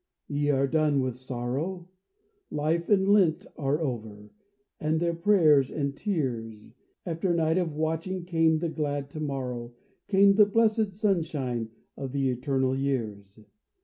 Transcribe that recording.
— ye are done with sorrow ; Life and Lent are over, with their prayers and tears ; After night of watching came the glad to morrow. Came the blessed sunshine of the eternal years.